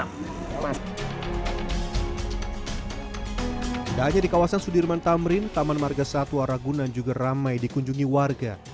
tidak hanya di kawasan sudirman tamrin taman marga satwa ragunan juga ramai dikunjungi warga